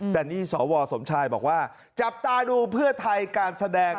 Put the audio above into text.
แต่นี่สวสมชายบอกว่าจับตาดูเพื่อไทยการแสดง